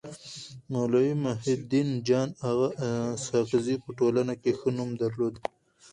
مولوي محي الدين جان اغا اسحق زي په ټولنه کي ښه نوم درلود.